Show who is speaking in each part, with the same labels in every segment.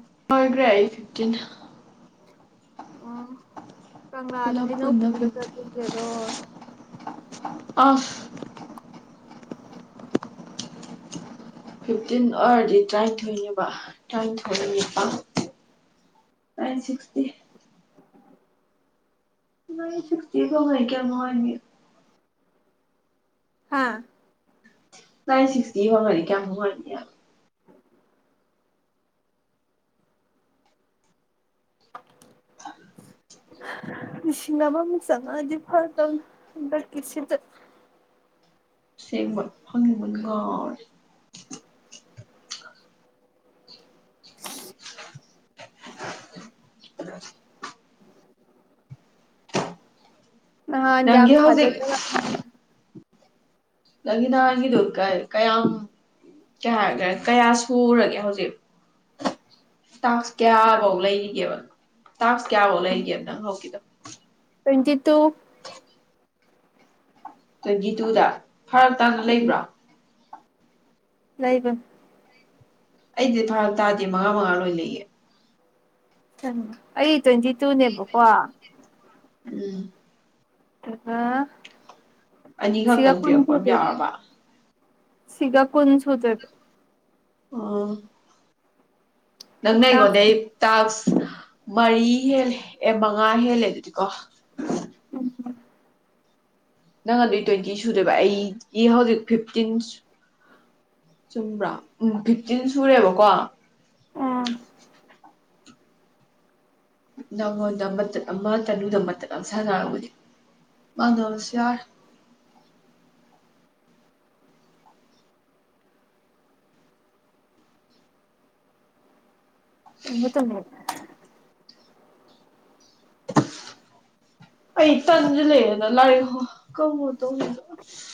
Speaker 1: [unintelligible]
Speaker 2: [inaudible] ꯑꯣ ꯀꯪꯂꯥꯗ
Speaker 1: ꯄꯨꯂꯞ
Speaker 2: ꯍꯩꯅꯧꯈ
Speaker 1: ꯄꯨꯟꯅ
Speaker 2: ꯄꯨꯔ
Speaker 1: ꯐꯤꯐꯇꯤꯟ
Speaker 2: ꯆꯠꯂꯨꯁꯦꯔꯣ
Speaker 1: ꯑꯁ ꯐꯤꯐꯇꯤꯟ ꯑꯣꯏꯔꯗꯤ ꯇꯔꯥꯅꯤꯊꯣꯏꯅꯦꯕ ꯇꯔꯥꯅꯤꯊꯣꯏ ꯅꯤꯄꯥꯟ ꯅꯥꯏꯟ ꯁꯤꯛꯁꯇꯤ ꯅꯥꯏꯟ ꯁꯤꯛꯁꯇꯤ ꯛ ꯀꯌꯥ ꯅꯨꯡꯉꯥꯏꯅꯤ
Speaker 2: ꯍꯥꯥ
Speaker 1: ꯅꯪ ꯁꯤꯁꯇꯤ ꯌꯣꯔꯝꯃꯗꯤ ꯀꯌꯥ ꯅꯨꯡꯉꯥꯏꯅꯤ
Speaker 2: ꯍ ꯂꯤꯁꯤꯡ ꯑꯃ ꯃꯨꯛ ꯆꯪꯉꯀꯑꯗꯤ ꯐꯒꯗꯕꯅꯤ ꯍꯡꯗꯛꯀꯤꯁꯤꯗ
Speaker 1: ꯁꯦꯡꯕ ꯐꯪꯅꯤꯡꯕꯅ ꯉꯥꯎꯔꯦ [inaudible]
Speaker 2: [inaudible]
Speaker 1: [unintelligible]
Speaker 2: ꯅꯍꯥꯟ ꯌꯥꯝ
Speaker 1: ꯅꯪꯒꯤ ꯍꯧꯖꯤꯛ
Speaker 2: ꯊꯥꯖꯗꯅ ꯐꯪ
Speaker 1: ꯅꯪꯒꯤ ꯅꯍꯥꯟꯒꯤꯗꯨ ꯀꯀꯌꯥꯝ ꯀꯩ ꯍꯥꯏ ꯀꯌꯥ ꯁꯨꯔꯒꯦ ꯍꯧꯖꯤꯛ ꯇꯥꯁ꯭ꯀ ꯀꯌꯥꯕꯧ ꯂꯩꯔꯤꯒꯦꯕ ꯇꯥꯥꯁ꯭ꯀ ꯀꯌꯥꯕꯧ ꯂꯩꯔꯤꯒꯦ ꯂꯪꯍꯧꯀꯤ [unintelligible] [inaudible]
Speaker 2: ꯇ꯭ꯋꯦꯟꯇꯤ ꯇꯨ
Speaker 1: ꯇ꯭ꯋꯦꯟꯇꯤ ꯇꯨꯗ ꯐꯔꯛ ꯇꯥꯅ ꯂꯩꯕ꯭ꯔꯥ
Speaker 2: ꯂꯩꯕ
Speaker 1: ꯑꯩꯗꯤ ꯐꯔꯛ ꯇꯥꯗꯦ ꯃꯉꯥ ꯃꯉꯥ ꯂꯣꯏ ꯂꯩꯌꯦ
Speaker 2: [unintelligible] ꯑꯩ ꯇ꯭ꯋꯦꯟꯇꯤ ꯇꯨꯅꯦꯕꯀꯣ
Speaker 1: ꯎꯝ
Speaker 2: [unintelligible]
Speaker 1: ꯑꯅꯤꯈꯛꯇꯪ ꯄꯤꯔꯛꯄ ꯑꯝ ꯌꯥꯎꯔꯕ
Speaker 2: ꯁꯤꯒꯥ ꯀꯣꯟ ꯁꯨꯗꯣꯏꯕ
Speaker 1: ꯑ ꯅꯪꯅ
Speaker 2: ꯇꯥꯛꯁ
Speaker 1: ꯑꯩꯉꯣꯟꯗꯩ ꯇꯥꯥꯁ꯭ꯀ ꯃꯔꯤ ꯍꯦꯜꯂꯦ ꯑꯦ ꯃꯉꯥ ꯍꯦꯜꯂꯦ ꯑꯗꯨꯗꯤꯀꯣ
Speaker 2: ꯎꯝ
Speaker 1: ꯅꯪ ꯑꯗꯨꯏ ꯇ꯭ꯋꯦꯟꯇꯤ ꯁꯨꯗꯨꯏꯕ ꯑꯩꯒꯤ ꯍꯧꯖꯤꯛ ꯐꯤꯐꯇꯤꯟ ꯆꯨꯝꯕ꯭ꯔꯥ ꯎꯝ ꯐꯤꯐꯇꯤꯟ ꯁꯨꯔꯦꯕꯀꯣ
Speaker 2: ꯑꯥ
Speaker 1: ꯅꯪꯉꯣꯟꯗ ꯃꯇꯠ ꯑꯃ ꯇꯂꯨꯗ ꯃꯇꯠ ꯑꯃ ꯁꯥꯟꯅꯔꯝꯃꯗꯤ ꯃꯥꯡꯗꯕꯁꯨ ꯌꯥꯏ
Speaker 2: ꯫ [unintelligible]
Speaker 1: ꯑꯩ ꯇꯟꯖꯜ ꯂꯦ [unintelligible]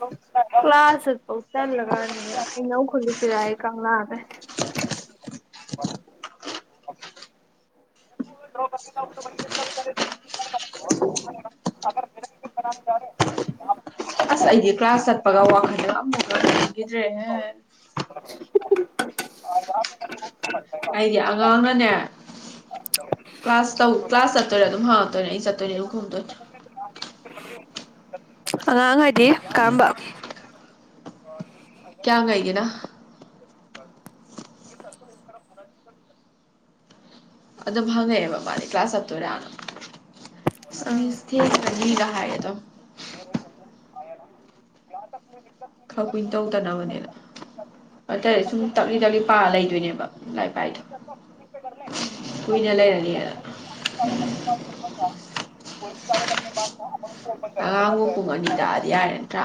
Speaker 2: ꯇꯨꯡ ꯀ꯭ꯂꯥꯁ ꯆꯠ ꯐꯥꯎ ꯇꯜꯂꯀꯥꯟꯁꯤꯗ ꯑꯩꯅꯧ ꯈꯨꯂꯨꯁꯤꯔꯥꯌꯦ ꯀꯪꯂꯥꯗ [inaudible] [unintelligible]
Speaker 1: ꯑꯁ ꯑꯩꯒꯤ ꯀ꯭ꯂꯥꯁ ꯆꯠꯄꯒ ꯋꯥꯈꯜꯗ ꯑꯃꯨꯛ ꯂꯩꯈꯤꯗ꯭ꯔꯦꯍꯦ
Speaker 2: [inaudible]
Speaker 1: ꯑꯩꯒꯤ ꯑꯉꯥꯡꯅꯅꯦ ꯀ꯭ꯂꯥꯁ ꯇꯧ ꯀ꯭ꯂꯥꯁ ꯆꯠꯇꯔ ꯑꯗꯨꯝ ꯍ ꯇꯣ ꯅ ꯑꯩꯆꯠꯅꯤ ꯗꯨꯝ ꯈꯨꯗꯣꯏꯅꯤ [unintelligible]
Speaker 2: ꯑꯥꯡꯉꯥꯏ [unintelligible] ꯗꯤ ꯀꯝꯕ
Speaker 1: ꯀꯌꯥ ꯉꯦꯒꯤꯅ
Speaker 2: [inaudible]
Speaker 1: ꯑꯗꯨꯝ ꯐꯉꯦꯕ ꯃꯥꯅꯤ ꯀ꯭ꯂꯥꯁ ꯑꯠꯇꯣꯏꯔꯅ
Speaker 2: ꯎꯝ
Speaker 1: ꯃꯤꯁ ꯊꯦꯉꯛꯀꯅꯤ ꯍꯥꯏꯑꯗꯨꯝ ꯈꯔ ꯀꯨꯏꯅ ꯇꯧꯗꯅꯕꯅꯦꯅ ꯑꯗꯨꯇꯥꯔꯗꯤ ꯁꯨꯝ ꯇꯞꯂꯤ ꯇꯞꯂꯤ ꯄꯥꯔ [unintelligible]
Speaker 2: ꯎꯝ
Speaker 1: ꯀꯨꯏꯅ ꯂꯩꯔꯅꯤ ꯌꯦ ꯑꯉꯥꯡꯕꯨ ꯄꯨꯡ ꯑꯅꯤ ꯇꯥꯛꯑꯗꯤ ꯌꯥꯏꯔ ꯅꯠꯇ꯭ꯔꯥ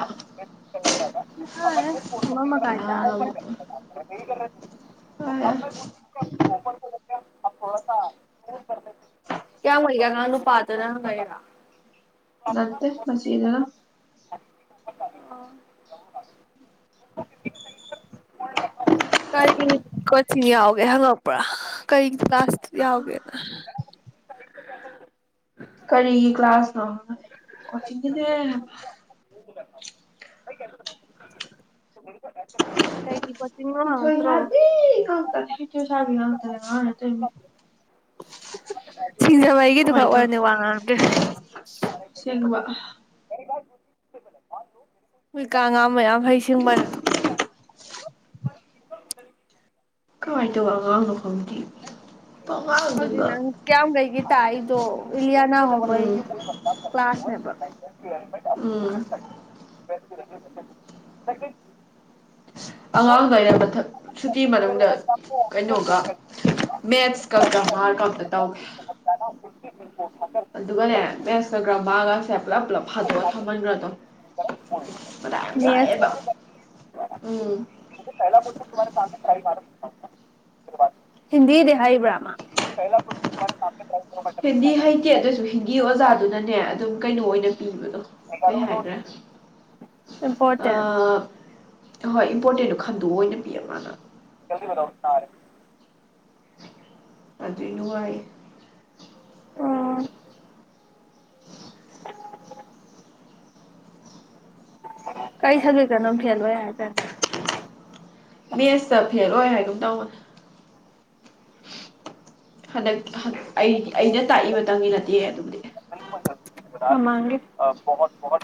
Speaker 2: ꯑꯃꯃꯈꯥꯏꯇ
Speaker 1: ꯀꯅꯥꯅꯕꯨ
Speaker 2: [unintelligible]
Speaker 1: [unintelligible]
Speaker 2: ꯀꯌꯥꯝꯒꯩꯒꯤ ꯑꯉꯥꯡ ꯅꯨꯄꯥꯗꯨ ꯅꯩꯅ [unintelligible]
Speaker 1: ꯅꯠꯇꯦ ꯃꯁꯤꯅ
Speaker 2: ꯀꯔꯤ ꯀꯣꯆꯤꯡ ꯌꯥꯎꯒꯦ ꯍꯪꯉꯛꯄ꯭ꯔꯥ ꯀꯔꯤ ꯀ꯭ꯂꯥꯁ ꯌꯥꯎꯒꯦ
Speaker 1: ꯀꯔꯤꯒꯤ ꯀ꯭ꯂꯥꯁꯅꯣ ꯀꯋꯟꯇꯤꯗꯅꯦ [unintelligible] [inaudible]
Speaker 2: ꯀꯩꯒꯤ ꯀꯣꯆꯤꯡ ꯅꯣ ꯍꯪꯉꯛꯇ꯭ꯔꯣ
Speaker 1: ꯍꯤꯊꯣꯏꯁꯥꯕꯤ [unintelligible]
Speaker 2: ꯁꯤꯡꯖꯕꯃꯩꯒꯤꯗꯨꯈꯠ ꯋꯥ ꯉꯥꯡꯗꯦ
Speaker 1: ꯁꯦꯡꯕ
Speaker 2: ꯑꯣꯏꯀꯥꯉꯥ ꯃꯌꯥꯝ ꯍꯩꯁꯤꯡꯕꯅ
Speaker 1: ꯀꯃꯥꯏꯅ ꯇꯧꯕ ꯑꯉꯥꯡꯅꯣ ꯈꯡꯗꯦ
Speaker 2: ꯍꯖꯤ ꯅꯪ ꯀꯌꯥꯝꯒꯩꯒꯤ ꯇꯥꯏꯗꯣ ꯀꯂꯤꯌꯥꯅ ꯃꯣꯏ
Speaker 1: ꯎꯝ
Speaker 2: ꯀꯥꯁꯅꯦꯕ
Speaker 1: ꯎꯝ
Speaker 2: ꯩ [inaudible]
Speaker 1: ꯑꯉꯥꯡꯗ ꯑꯩꯅ ꯃꯊꯛ ꯁꯨꯇꯤ ꯃꯅꯨꯡꯗ ꯀꯩꯅꯣꯒ ꯃꯦꯠꯁ ꯀꯔꯝꯃꯥꯔ ꯀꯇ ꯇꯧꯏꯦ
Speaker 2: [inaudible]
Speaker 1: ꯑꯗꯨꯒꯅꯦ ꯃꯦꯁ ꯒꯔꯃꯥꯔꯒꯁꯦ ꯄꯨꯂꯞ ꯄꯨꯂꯞ ꯐꯗꯣꯛꯑ ꯊꯝꯍꯟꯒꯗꯣꯔꯝ ꯃꯥꯊ ꯌꯥꯝ ꯁꯥꯏꯌꯦꯕ
Speaker 2: ꯃꯦꯠꯁꯂꯣ
Speaker 1: ꯎꯝ
Speaker 2: [unintelligible] ꯍꯤꯟꯗꯤꯗꯤ ꯍꯩꯏꯕ꯭ꯔꯥ ꯃꯥ
Speaker 1: ꯍꯤꯟꯗꯤ ꯍꯩꯇꯦ ꯑꯗꯨꯑꯣꯏꯁꯨ ꯍꯤꯟꯗꯤ ꯑꯣꯖꯥꯗꯨꯅꯅꯦ ꯑꯗꯨꯝ ꯀꯩꯅꯣ ꯑꯣꯏꯅ ꯄꯕꯗꯣ ꯀꯩ ꯍꯥꯏꯒ꯭ꯔꯦ ꯑ
Speaker 2: ꯏꯝꯄꯣꯔꯇꯦꯟ
Speaker 1: ꯑꯍꯣꯏ ꯏꯝꯄꯣꯔꯇꯦꯟꯗꯣ ꯈꯟꯗꯣꯛ ꯑꯑꯣꯏꯅ ꯄꯤꯌꯦ ꯃꯥꯅ
Speaker 2: ꯔꯦ [inaudible]
Speaker 1: ꯑꯗꯨꯏ ꯅꯨꯡꯉꯥꯏ
Speaker 2: ꯑꯣ
Speaker 1: ꯎꯝ
Speaker 2: ꯀꯩ ꯁꯄꯖꯦꯇꯅꯣ ꯐꯦꯜꯑꯣꯏ ꯍꯥꯏꯗꯥꯏꯅꯦ
Speaker 1: ꯃꯦꯠꯁꯇ ꯐꯦꯜ ꯑꯣꯏ ꯍꯥꯏꯒꯨꯝ ꯇꯧꯕꯅꯦ ꯍꯟꯗꯛ ꯑꯩ ꯑꯩꯅ ꯇꯥꯛꯏꯕ ꯇꯪꯅꯤꯅ ꯌꯥ ꯑꯗꯨꯕꯨꯗꯤ
Speaker 2: ꯑꯃꯡꯒꯤ [unintelligible]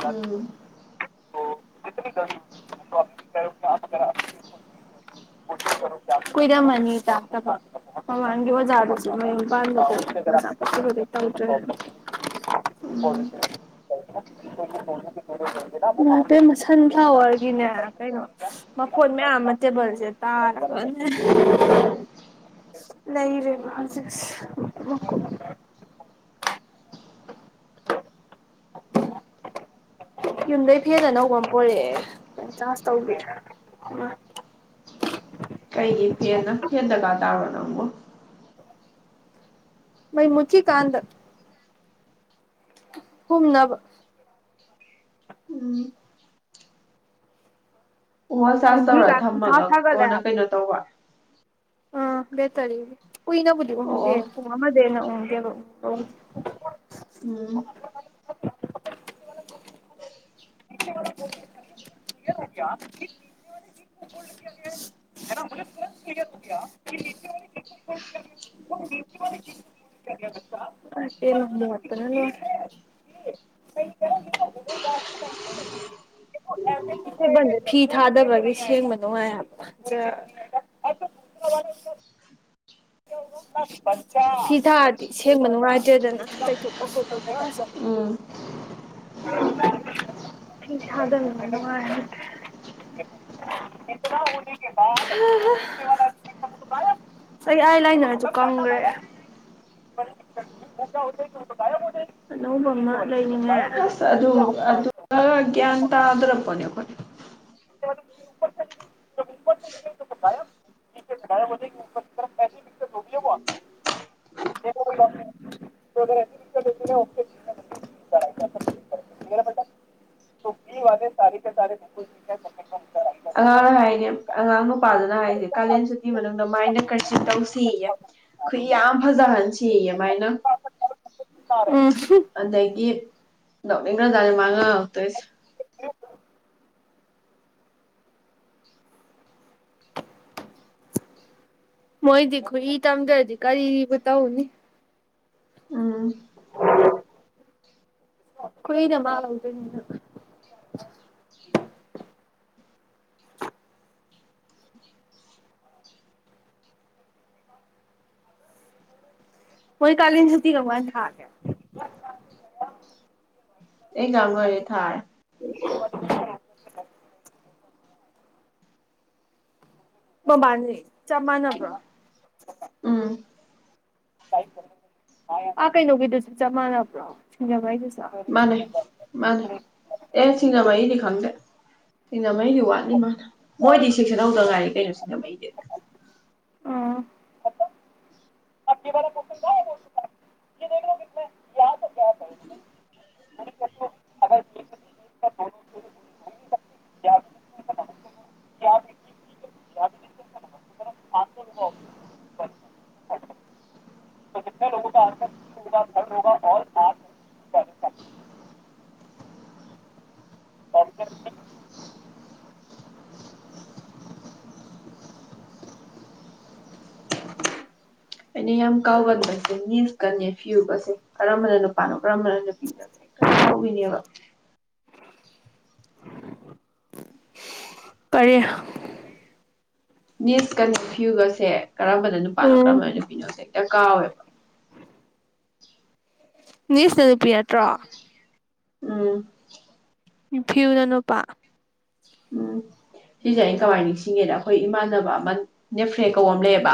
Speaker 1: ꯎꯝ ꯎꯝ
Speaker 2: [unintelligible] ꯁꯟꯐ꯭ꯂꯥꯋꯔꯒꯤꯅꯦ ꯀꯩꯅꯣ ꯃꯈꯣ ꯃꯌꯥꯝ ꯑꯃ ꯇꯦꯕꯜꯁꯦ ꯇꯥꯔꯦꯅꯦ ꯂꯩꯔꯦꯕ ꯍꯧꯖꯤꯛ ꯃꯀꯨ ꯌꯨꯝꯗꯩ ꯐꯦꯟ ꯑꯅꯧꯕ ꯑꯃ ꯄꯨꯔꯛꯑꯦ ꯆꯥꯁ ꯇꯧꯕꯤ ꯑꯃ
Speaker 1: ꯀꯩꯒꯤ ꯐꯦꯟꯅꯣ ꯐꯦꯟ ꯗꯔꯀꯥꯔ ꯇꯥꯕꯔꯣ ꯅꯪꯕꯣ
Speaker 2: ꯃꯩꯃꯨꯠꯈꯤ ꯀꯥꯟꯗ ꯍꯨꯝꯅꯕ
Speaker 1: ꯎꯝ ꯐꯣꯟ ꯆꯥꯔꯖ ꯇꯧꯔ
Speaker 2: ꯕꯦꯇ꯭ꯔꯤꯒ ꯈꯪꯁꯥ
Speaker 1: ꯊꯝꯃꯒ ꯀꯣꯟꯅ ꯀꯩꯅꯣ ꯇꯧꯕ
Speaker 2: ꯑ ꯕꯦꯇꯔꯤꯒꯤ ꯀꯨꯏꯅꯕꯨꯗꯤ
Speaker 1: ꯑꯣ
Speaker 2: ꯎꯪꯗꯦ
Speaker 1: ꯑꯣ
Speaker 2: ꯄꯨꯡ ꯑꯃꯗꯩ ꯍꯦꯟꯅ ꯎꯡꯉꯤ [inaudible]
Speaker 1: ꯎꯝ
Speaker 2: [inaudible] [unintelligible] ꯂꯣꯏ ꯁꯦꯡꯕ [inaudible]
Speaker 1: ꯎꯝ
Speaker 2: [unintelligible] [unintelligible] ꯑꯅꯧꯕ ꯑꯃ ꯂꯩꯅꯤꯡꯉꯦ
Speaker 1: ꯑꯁ ꯑꯗꯨ ꯑꯗꯨꯒ ꯒ꯭ꯌꯥꯟ ꯇꯥꯗ꯭ꯔꯥꯄꯣꯠꯅꯤ ꯑꯈꯣꯏ
Speaker 2: [unintelligible] [inaudible]
Speaker 1: ꯑꯉꯥꯡꯅ ꯍꯥꯏꯅꯦ ꯉꯍꯥꯟꯃꯨꯛ ꯅꯨꯄꯥꯗꯨꯅ ꯍꯥꯏꯅꯦ ꯀꯥꯂꯦꯟ ꯁꯨꯠꯇꯤ ꯃꯇꯝꯗ ꯃꯥꯏꯅ ꯀꯔꯆꯤꯞ ꯇꯧꯁꯤꯌꯦ ꯈꯨꯏ ꯌꯥꯝ ꯐꯖꯍꯟ [inaudible] ꯑꯗꯒꯤ
Speaker 2: ꯎꯝ
Speaker 1: ꯅꯣꯛꯅꯤꯡꯒ꯭ꯔ ꯖꯥꯠꯅꯤ ꯃꯥ ꯉꯥꯡꯉꯛ ꯇꯣꯏꯁꯦ
Speaker 2: ꯃꯣꯏꯗꯤ ꯈꯨꯏ ꯇꯝꯗꯗꯤ ꯀꯔꯤꯕꯨ ꯇꯧꯅꯤ
Speaker 1: ꯎꯝ
Speaker 2: [unintelligible]
Speaker 1: [inaudible]
Speaker 2: ꯃꯣꯏ ꯀꯥꯂꯦꯟ ꯁꯨꯇꯤ ꯀꯝꯀꯥꯟ ꯊꯥꯒꯦ
Speaker 1: ꯑꯦꯛꯖꯦꯝ ꯂꯣꯏꯔꯦ ꯊꯥꯔꯦ
Speaker 2: [inaudible] ꯃꯕꯥꯟꯅꯤ ꯆꯞ ꯃꯥꯟꯅꯕ꯭ꯔꯣ
Speaker 1: [inaudible]
Speaker 2: ꯑꯥ ꯀꯩꯅꯣꯒꯤꯗꯨꯁꯨ ꯆꯞ ꯃꯥꯟꯅꯕ꯭ꯔꯣ ꯁꯤꯡꯖꯃꯩꯗꯨ
Speaker 1: ꯃꯥꯅꯦ ꯃꯥꯅꯦ ꯑꯦ ꯁꯤꯡꯖꯃꯩꯗꯤ ꯈꯪꯗꯦ ꯁꯤꯡꯖꯃꯩꯗꯤ ꯋꯥꯠꯅꯤ ꯃꯥ ꯃꯣꯏꯗꯤ ꯁꯦꯛꯁꯟ ꯍꯧꯗ ꯉꯥꯏꯔꯤ [unintelligible]
Speaker 2: ꯎꯝ [unintelligible] [inaudible]
Speaker 1: ꯑꯩꯅ ꯌꯥꯝ ꯀꯥꯎꯒꯟꯕꯁꯦ ꯅꯤꯁꯀ ꯅꯦꯐꯤꯌꯨꯒꯁꯦ ꯀꯔꯝꯕꯅ ꯅꯨꯄꯥꯅꯣ ꯀꯔꯝꯕꯅ ꯅꯨꯄꯤꯅꯣ ꯍꯦꯛꯇ ꯀꯥꯎꯒꯤꯅꯦꯕ
Speaker 2: [unintelligible]
Speaker 1: ꯅꯤꯁ ꯀ ꯅꯦꯐ꯭ꯌꯨꯒꯁꯦ ꯀꯔꯝꯕꯅ ꯅꯨꯄꯥꯅꯣ
Speaker 2: ꯎꯝ
Speaker 1: ꯀꯔꯝꯕꯅ ꯅꯨꯄꯤꯅꯣꯁꯦ ꯍꯦꯛꯇ ꯀꯥꯎꯋꯦꯕ
Speaker 2: ꯅꯤꯁꯅ ꯅꯨꯄꯤ ꯅꯠꯇ꯭ꯔꯣ
Speaker 1: ꯎꯝ
Speaker 2: ꯅꯦꯐꯌꯨꯅ ꯅꯨꯄꯥ
Speaker 1: ꯎꯝ ꯁꯤꯁꯦ ꯑꯩꯅ ꯀꯃꯥꯏꯅ ꯅꯤꯡꯁꯤꯡꯒꯦꯗ ꯑꯩꯈꯣꯏ ꯏꯃꯥꯟꯅꯕ ꯑꯃ ꯅꯦꯐ꯭ꯔꯦ ꯀꯧꯕ ꯑꯃ ꯂꯩꯌꯦꯕ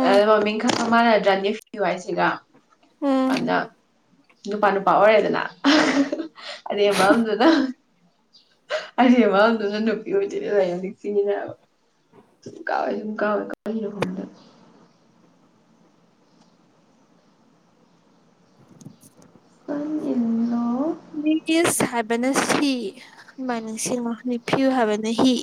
Speaker 2: ꯎꯝ
Speaker 1: [unintelligible]
Speaker 2: ꯎꯝ
Speaker 1: [unintelligible] ꯑꯗ ꯅꯨꯄꯥ ꯅꯨꯄꯥ ꯑꯣꯏꯔꯦꯗꯅ ꯑꯔꯦꯝꯕ ꯑꯃꯗꯨꯅ [unintelligible] [inaudible] ꯁꯟ ꯏꯟ ꯂꯣ
Speaker 2: ꯅꯤꯁ ꯍꯥꯏꯕꯅ ꯁꯤꯥ ꯁꯨꯃꯥꯏ ꯅꯤꯡꯁꯤꯡꯉꯣ ꯅꯤꯐꯤꯌꯨ ꯍꯥꯏꯕꯅ ꯍꯤ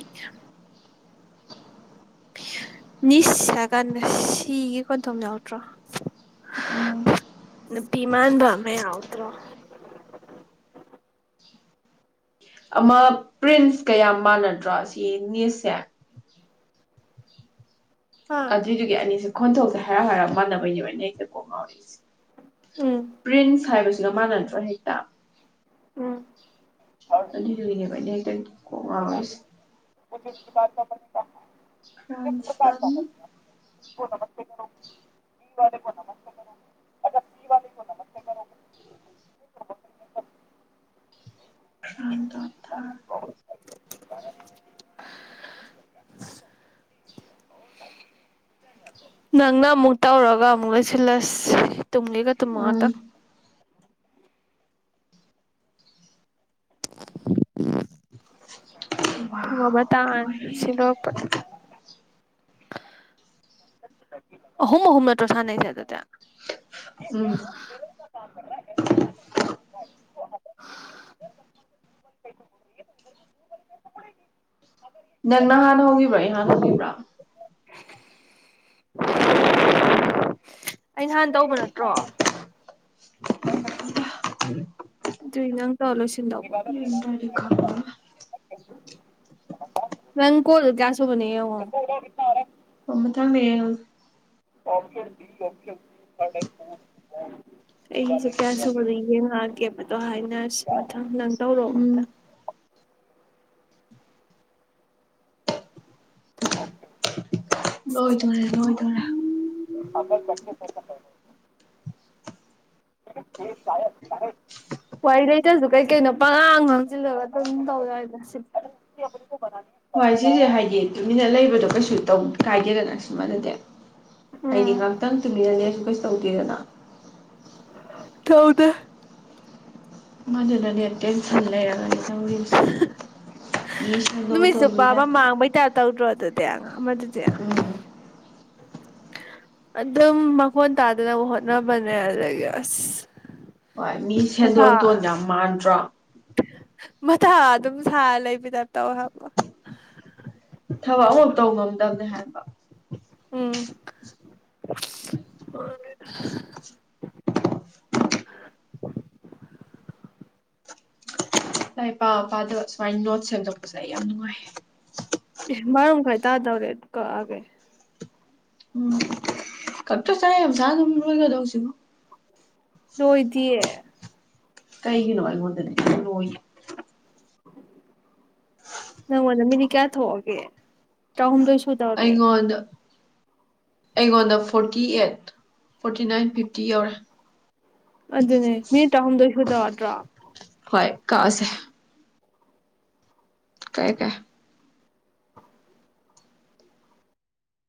Speaker 2: ꯅꯤꯁ ꯍꯥꯏꯀꯥꯟꯗ ꯁꯤꯒꯤ ꯈꯣꯟꯊꯣꯛ ꯌꯥꯎꯗ꯭ꯔꯣ
Speaker 1: ꯎꯝ
Speaker 2: ꯅꯨꯄꯤ ꯃꯥꯟꯕ ꯑꯃ ꯌꯥꯎꯗ꯭ꯔꯣ
Speaker 1: ꯑꯃ ꯄ꯭ꯔꯤꯟꯁ ꯀ ꯌꯥꯝ ꯃꯥꯟꯅꯗ꯭ꯔꯣ ꯁꯤ ꯏꯪꯂꯤꯁ ꯁꯦ
Speaker 2: ꯍꯥ
Speaker 1: ꯑꯗꯨꯏ ꯗꯨꯒꯤ ꯑꯅꯤꯁꯨ ꯈꯣꯟꯊꯣꯛꯇ ꯍꯔꯥꯞ ꯍꯥꯏꯔꯥꯞ ꯃꯥꯟꯅꯕꯒꯅꯤ ꯑꯩꯅ ꯍꯦꯛꯇ ꯀꯣꯛ ꯉꯥꯎꯔꯤꯁꯦ
Speaker 2: ꯎꯝ
Speaker 1: ꯄ꯭ꯔꯤꯟꯁ ꯍꯥꯏꯕꯁ ꯁꯤꯗ ꯃꯟꯅꯗ꯭ꯔꯣ ꯍꯦꯛꯇ
Speaker 2: ꯎꯝ
Speaker 1: ꯑꯗꯨꯏꯗꯨꯒꯤꯅꯦꯕ [inaudible] ꯀꯣꯛ ꯉꯥꯎꯏ ꯁꯦ
Speaker 2: [inaudible]
Speaker 1: ꯐ꯭ꯔꯥꯟ ꯁꯇꯥꯟ
Speaker 2: [unintelligible]
Speaker 1: [inaudible]
Speaker 2: [inaudible] [inaudible] ꯅꯪꯅ ꯑꯃꯨꯛ ꯇꯧꯔꯒ ꯑꯃꯨꯛ ꯂꯣꯏꯁꯜꯂꯁꯤ ꯁꯤ ꯇꯨꯨꯝꯒꯦꯒ ꯇꯨꯝꯃꯣ ꯉꯥꯛꯇꯪ
Speaker 1: ꯎꯝ
Speaker 2: ꯄꯨꯡ ꯑꯃ
Speaker 1: ꯋꯥꯎ
Speaker 2: ꯇꯥꯔꯅꯤ ꯁꯤ
Speaker 1: ꯂꯣꯏꯔꯦ
Speaker 2: ꯂꯣꯏꯔꯛꯄꯗ [inaudible] ꯑꯍꯨꯝ ꯑꯍꯨꯝ ꯅꯠꯇ꯭ꯔꯣ ꯁꯥꯟꯅꯩꯁꯦ ꯑꯗꯨꯗꯤ [inaudible] [inaudible]
Speaker 1: ꯎꯝ ꯅꯪꯅ ꯍꯥꯟ ꯍꯧꯒꯤꯕ꯭ꯔꯣ ꯑꯩꯅ ꯍꯥꯟ ꯍꯧꯒꯤꯕ꯭ꯔꯣ
Speaker 2: ꯑꯩꯅꯍꯥꯟ ꯇꯧꯕ ꯅꯠꯇ꯭ꯔꯣ [inaudible]
Speaker 1: ꯎꯝ
Speaker 2: [unintelligible] ꯂꯣꯏꯁꯜꯂꯣ
Speaker 1: ꯌꯦꯡꯗꯔꯗꯤ ꯈꯪꯑꯔꯣꯏ
Speaker 2: ꯅꯪ ꯀꯣꯜ ꯀꯌꯥ ꯁꯨꯕꯅꯣ ꯌꯦꯡꯑꯣ
Speaker 1: ꯑꯣ ꯃꯊꯪꯗ ꯌꯦꯡ
Speaker 2: ꯑꯩꯁꯨ ꯀꯌꯥ ꯁꯨꯕ ꯌꯦꯡꯉꯛ ꯑꯒꯦꯕꯗꯣ ꯍꯥꯏꯅꯔꯁꯤ ꯑꯪ ꯅꯪ ꯇꯧꯔꯣ ꯑꯝꯇ
Speaker 1: ꯎꯝ ꯂꯣꯏꯗꯣꯔꯦ
Speaker 2: [inaudible]
Speaker 1: ꯂꯣꯏꯗꯣꯔꯦ
Speaker 2: [unintelligible] ꯂꯥꯢꯔꯤꯛ ꯄꯥꯌꯦ ꯄꯥꯌꯦ ꯋꯥꯔꯤ ꯂꯩꯇꯁꯨ ꯀꯩ ꯀꯩꯅꯣ ꯄꯉꯥꯡ ꯉꯥꯡꯖꯤꯜꯂꯒ ꯑꯗꯨꯝ ꯇꯧꯔ ꯁꯤ [unintelligible]
Speaker 1: ꯍꯣꯏ ꯁꯤꯖꯦ ꯍꯥꯏꯗꯤ ꯇꯨꯃꯤꯟꯅ ꯂꯩ ꯑꯗꯨꯗꯣ ꯀꯩꯁꯨ ꯇꯧ ꯀꯥꯏꯗꯦꯗꯅ ꯁꯨꯃꯥꯏꯅꯗꯤ ꯍꯥꯏꯗꯤ
Speaker 2: ꯎꯝ
Speaker 1: ꯉꯍꯥꯛꯇꯪ ꯇꯨꯝꯃꯤꯔꯅꯁꯨ ꯀꯩꯁꯨ ꯇꯧꯗꯦꯗꯅ
Speaker 2: ꯇꯧꯗꯦ
Speaker 1: ꯃꯗꯨꯗꯅꯦ ꯇꯦꯟꯁꯟ ꯂꯩꯔꯒꯅꯦ [unintelligible] ꯃꯤ ꯁꯦꯟꯗꯣꯜ
Speaker 2: ꯅꯨꯃꯤꯠ ꯆꯨꯞꯄ
Speaker 1: ꯇꯣꯟꯕꯁꯦ
Speaker 2: ꯑꯃ ꯃꯥꯡꯕꯩ ꯇꯥꯏꯞ ꯇꯧꯗ꯭ꯔꯣ ꯑꯗꯨꯗꯤ ꯑꯃꯗꯨꯗꯤ ꯑꯗꯨꯝ ꯃꯑꯣꯟ ꯇꯥꯗꯅꯕ ꯍꯣꯠꯅꯕꯅꯦ ꯑꯗꯨꯗꯒꯤ ꯑꯁ
Speaker 1: ꯍꯣꯏ ꯃꯤ
Speaker 2: ꯃꯊꯥ
Speaker 1: ꯁꯦꯟꯗꯣꯟ ꯇꯣꯟ ꯌꯥꯝ ꯃꯥꯟꯗ꯭ꯔꯣ
Speaker 2: ꯃꯊꯥ ꯑꯗꯨꯝ ꯁꯥꯔ ꯂꯩꯕꯗꯥꯏ ꯇꯧꯑꯦ ꯍꯥꯏꯕ
Speaker 1: ꯊꯕꯛ ꯑꯃ ꯇꯧ ꯉꯝꯗꯕꯅꯦ ꯍꯥꯏꯕ
Speaker 2: ꯎꯝ [unintelligible] [inaudible]
Speaker 1: ꯂꯥꯏꯔꯤꯛ ꯄꯥ ꯄꯥꯗꯕ ꯁꯨꯃꯥꯏꯅ ꯅꯣꯠꯁ ꯁꯦꯝꯗꯣꯛꯄꯁꯦ ꯑꯩ ꯌꯥꯝ ꯅꯨꯡꯉꯥꯏ
Speaker 2: ꯇꯥ ꯗꯧꯔꯦ ꯀꯛꯑꯒꯦ
Speaker 1: ꯎꯝ ꯈꯛꯇ ꯆꯔꯥ ꯌꯥꯥꯝ ꯆꯥꯔ ꯑꯗꯨꯝ ꯂꯣꯏꯒꯗꯧꯁꯤꯕꯣ
Speaker 2: ꯂꯣꯏꯗꯤꯑꯦ
Speaker 1: ꯀꯩꯒꯤꯅꯣ ꯑꯧꯉꯣꯟꯗꯗꯤ ꯂꯣꯏꯒꯤ
Speaker 2: ꯅꯉꯣꯟꯗ ꯃꯤꯅꯤꯠ ꯀꯌꯥ ꯊꯣꯛꯑꯒꯦ ꯇꯥꯍꯨꯝꯗꯣꯏ
Speaker 1: ꯑꯩꯉꯣꯟꯗ ꯑꯩꯉꯣꯟꯗ forty eight forty nine fifty ꯌꯧꯔꯦ
Speaker 2: ꯑꯗꯨꯅꯦ ꯃꯤꯅꯤꯠ ꯇꯔꯥꯍꯨꯝꯗꯣꯍ ꯁꯨꯗꯧꯅꯠꯇꯔꯔ
Speaker 1: ꯍꯣꯏ ꯀꯛꯑꯁꯦ ꯀꯛꯑꯦ ꯀꯛꯑꯦ